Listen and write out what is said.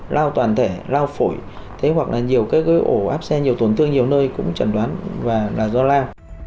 lao toàn thể lao phổi thế hoặc là nhiều cái ổ áp xe nhiều tổn thương nhiều nơi cũng chẩn đoán và là do lao